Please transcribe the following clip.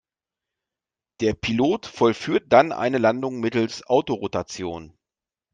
Der Pilot vollführt dann eine Landung mittels Autorotation.